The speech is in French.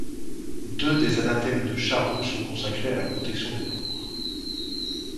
Deux des anathèmes de Charroux sont consacrés à la protection des pauvres.